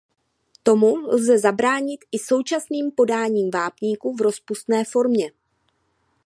Tomu lze zabránit i současným podáním vápníku v rozpustné formě.